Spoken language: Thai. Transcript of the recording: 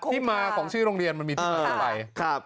ที่มาของชื่อโรงเรียนมันมีตราย